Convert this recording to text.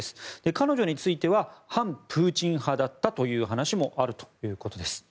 彼女については反プーチン派だったという話もあるということです。